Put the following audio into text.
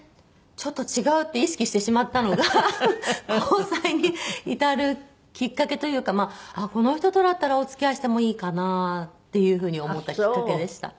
ちょっと違うって意識してしまったのが交際に至るきっかけというかこの人とだったらお付き合いしてもいいかなっていう風に思ったきっかけでした。